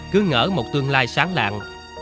cứ ngỡ một tương lai sáng lạng